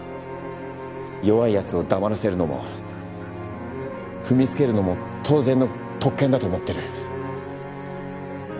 弱いやつを黙らせるのも踏みつけるのも当然の特権だと思ってる。